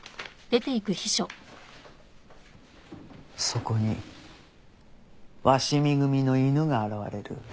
そこに鷲見組の犬が現れる。